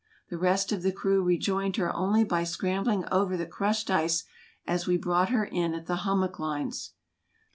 The rest of the crew rejoined her only by scrambling over the crushed ice as we brought her in at the hummock lines.